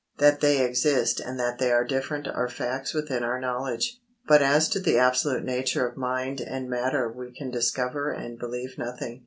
That they exist and that they are different are facts within our knowledge, but as to the absolute nature of mind and matter we can discover and believe nothing.